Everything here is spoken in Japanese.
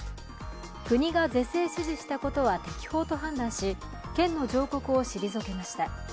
国が是正指示したことは適法と判断し県の上告を退けました。